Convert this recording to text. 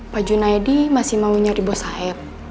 pak junaidi masih mau nyari bos aet